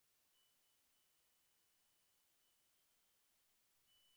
The translator is sometimes instead identified with Paul of Nisibis.